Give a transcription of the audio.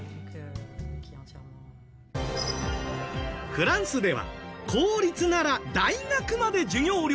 フランスでは公立なら大学まで授業料が無料。